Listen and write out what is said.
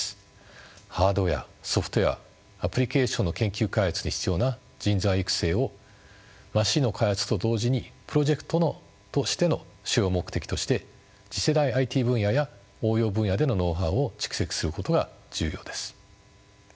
ハードウエアソフトウエアアプリケーションの研究開発に必要な人材育成をマシンの開発と同時にプロジェクトとしての主要目的として次世代ＩＴ分野や応用分野でのノウハウを蓄積することが重要です。